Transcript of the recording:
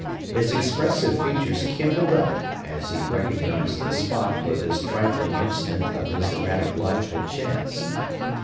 His expressive features kindled up, as he recognized the spot where this trifling incident of his erratic life had chanced.